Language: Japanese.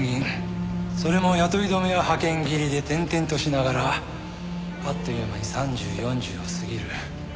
それも雇い止めや派遣切りで転々としながらあっという間に３０４０を過ぎる。